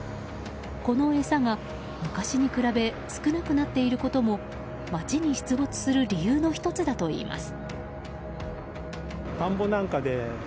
この餌が昔に比べ少なくなっていることも街に出没する理由の１つだといいます。